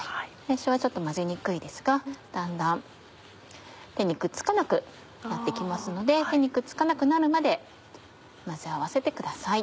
最初はちょっと混ぜにくいですがだんだん手にくっつかなくなって来ますので手にくっつかなくなるまで混ぜ合わせてください。